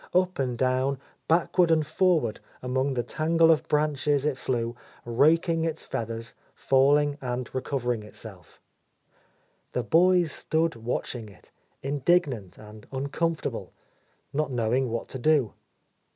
Up and down, backward and forward among the tangle of branches it flew, raking its feathers, falling and recovering itself. The boys stood watching it, indignant and uncomfortable, not knowing what to do.